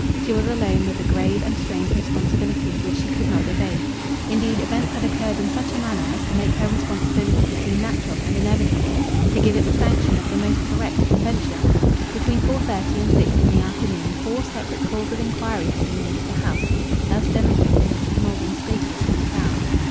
She was alone with a grave and strange responsibility, which she could not evade. Indeed, events had occurred in such a manner as to make her responsibility seem natural and inevitable, to give it the sanction of the most correct convention. Between 4.30 and 6 in the afternoon four separate calls of inquiry had been made at the house, thus demonstrating Mrs. Maldon's status in the town.